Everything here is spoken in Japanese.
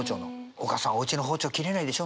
「おかあさんおうちの包丁切れないでしょ？」